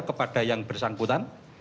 kepada yang bersangkutan